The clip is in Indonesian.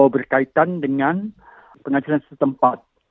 berkaitan dengan pengajaran setempat